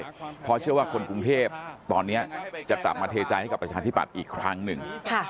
เพราะเชื่อว่าคนกรุงเทพตอนนี้จะกลับมาเทใจให้กับประชาธิปัตย์อีกครั้งหนึ่ง